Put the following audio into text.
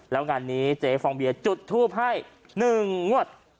แล้วงานนี้เจ๊ฟองเบียร์จุดทูปให้๑งวด